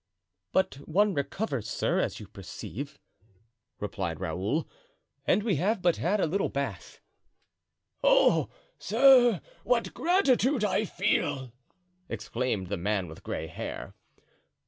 "But one recovers, sir, as you perceive," replied Raoul, "and we have but had a little bath." "Oh! sir, what gratitude I feel!" exclaimed the man with gray hair.